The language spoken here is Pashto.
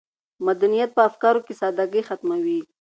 مدنیت په افکارو کې سادګي ختموي.